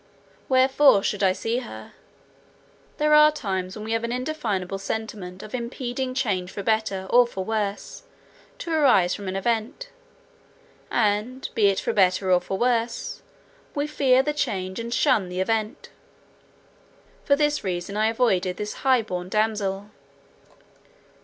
Wherefore should I see her? There are times when we have an indefinable sentiment of impending change for better or for worse, to arise from an event; and, be it for better or for worse, we fear the change, and shun the event. For this reason I avoided this high born damsel.